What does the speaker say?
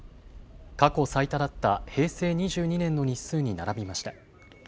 過去最多だった平成２２年の日数に並びました。